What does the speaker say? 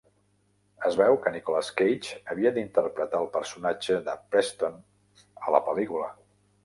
Es veu que Nicolas Cage havia d'interpretar el personatge de Preston a la pel·lícula.